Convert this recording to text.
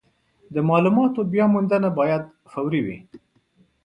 د مالوماتو بیاموندنه باید فوري وي.